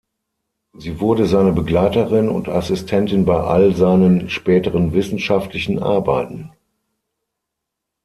Sie wurde seine Begleiterin und Assistentin bei all seinen späteren wissenschaftlichen Arbeiten.